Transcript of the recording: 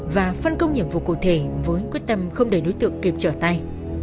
và phân công nhiệm vụ cụ thể với quyết tâm không để đối tượng kịp trở tay